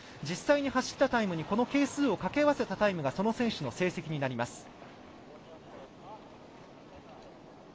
実際に走ったタイムにこの係数をかけ合わせたタイムがその選手の成績になります。